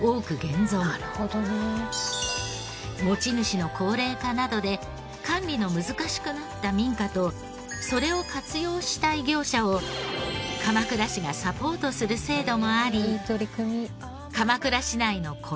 持ち主の高齢化などで管理の難しくなった民家とそれを活用したい業者を鎌倉市がサポートする制度もあり。